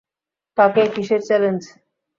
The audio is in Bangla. কাকে, কিসের চ্যালেঞ্জ?